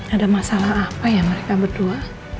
ada masalah apa ya mereka berdua